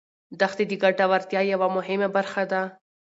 دښتې د ګټورتیا یوه مهمه برخه ده.